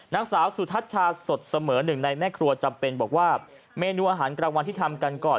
นางสาวสุทัชชาสดเสมอหนึ่งในแม่ครัวจำเป็นบอกว่าเมนูอาหารกลางวันที่ทำกันก่อน